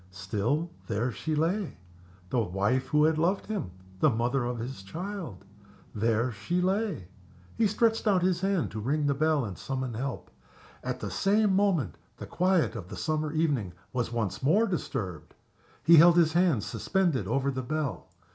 Still, there she lay the wife who had loved him, the mother of his child there she lay. He stretched out his hand to ring the bell and summon help. At the same moment the quiet of the summer evening was once more disturbed. He held his hand suspended over the bell.